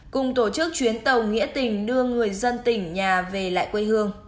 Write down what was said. cùng tổ chức chuyến tàu nghĩa tình đưa người dân tỉnh nhà về lại quê hương